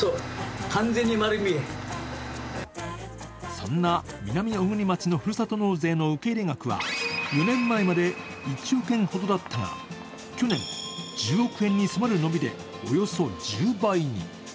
そんな南小国町のふるさと納税の受け入れ額は４年前まで１億円ほどだったが、去年１０億円に迫る伸びで、およそ１０倍に。